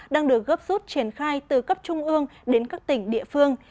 đang được gấp rút triển khai từ cấp trung ương đến các tỉnh địa phương